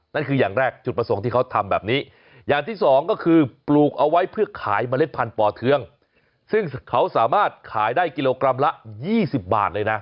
นั่นคืออย่างแรกจุดประสงค์ที่เขาทำแบบนี้อย่างที่สองก็คือปลูกเอาไว้เพื่อขายเมล็ดพันธุ์ป่อเทืองซึ่งเขาสามารถขายได้กิโลกรัมละ๒๐บาทเลยนะ